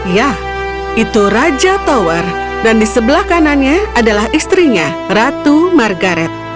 ya itu raja tower dan di sebelah kanannya adalah istrinya ratu margaret